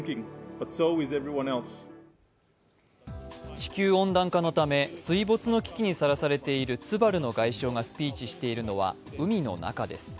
地球温暖化のため水没の危機にさらされているツバルの外相がスピーチしているのは海の中です。